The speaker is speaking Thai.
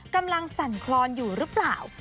กำลังสั่นคลอนอยู่หรือเปล่า